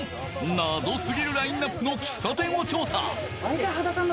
謎すぎるラインアップの喫茶店を調査。